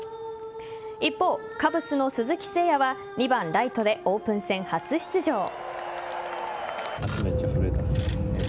一方、カブスの鈴木誠也は２番・ライトでオープン戦初出場。